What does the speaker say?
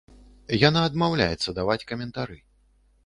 Яна адмаўляецца даваць каментары.